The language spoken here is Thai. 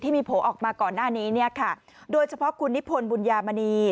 ที่มีโผล่ออกมาก่อนหน้านี้โดยเฉพาะคุณนิพนธ์บุญญามณี